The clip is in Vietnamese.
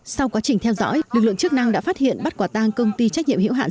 sau quá trình theo dõi lực lượng chức năng đã phát hiện bắt quả tang công ty trách nhiệm hiệu hạn